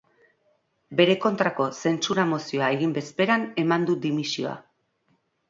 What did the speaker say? Bere kontrako zentsura-mozioa egin bezperan eman du dimisioa.